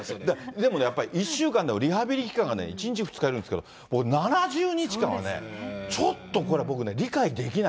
でもね、やっぱり１週間でもリハビリ期間が１日、２日いるんですけど、７０日間はね、ちょっとこれ、僕ね、理解できない。